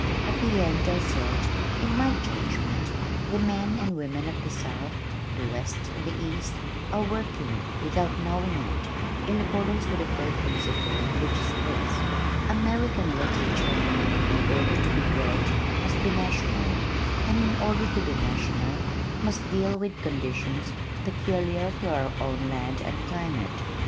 At the end I said, "In my judgment the men and women of the south, the west and the east, are working (without knowing it) in accordance with a great principle, which is this: American literature, in order to be great, must be national, and in order to be national, must deal with conditions peculiar to our own land and climate.